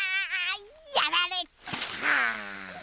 やられた。